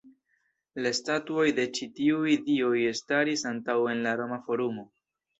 La statuoj de ĉi tiuj dioj staris antaŭe en la Roma Forumo.